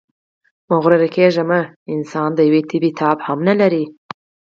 مغروره کېږئ مه، انسان د یوې تبې تاب هم نلري.